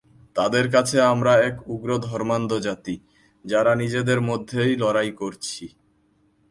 তাদের কাছে আমরা এক উগ্র ধর্মান্ধ জাতি, যারা নিজেদের মধ্যেই লড়াই করছি।